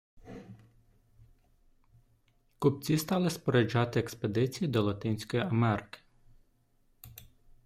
Купці стали споряджати експедиції до Латинської Америки.